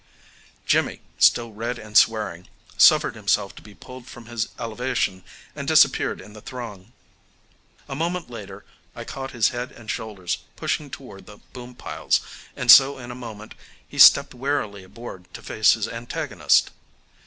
Jimmy, still red and swearing, suffered himself to be pulled from his elevation and disappeared in the throng. A moment later I caught his head and shoulders pushing toward the boom piles, and so in a moment he stepped warily aboard to face his antagonist.